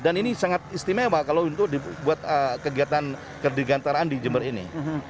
dan ini sangat istimewa kalau untuk buat kegiatan kerja gantaran di jember ini